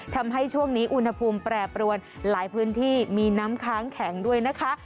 ทำให้ช่วงนี้อุณหภูมิแปรปรวนหลายพื้นที่มีน้ำค้างแข็งด้วยนะคะ